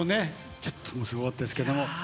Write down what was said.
ちょっともうすごかったです。